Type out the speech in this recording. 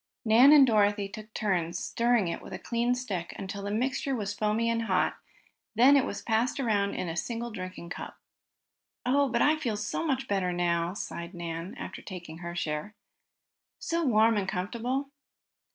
Nan and Dorothy took turns stirring it with a clean stick until the mixture was foamy and hot. Then it was passed around in the single drinking cup. "Oh, but I feel so much better now," sighed Nan, after taking her share. "So warm and comfortable!"